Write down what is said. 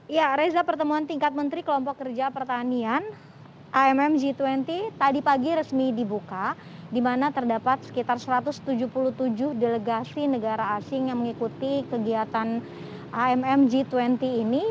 ya reza pertemuan tingkat menteri kelompok kerja pertanian amm g dua puluh tadi pagi resmi dibuka di mana terdapat sekitar satu ratus tujuh puluh tujuh delegasi negara asing yang mengikuti kegiatan amm g dua puluh ini